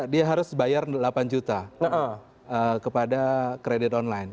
dia harus bayar delapan juta kepada kredit online